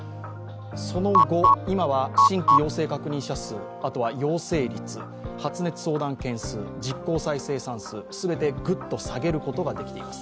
その後、今は新規陽性者数、あとは陽性率発熱相談件数、実効再生産数、全てグッと下げることができています。